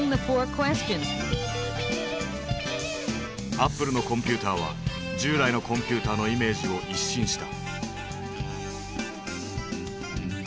アップルのコンピューターは従来のコンピューターのイメージを一新した。